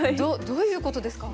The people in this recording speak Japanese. どういうことですか？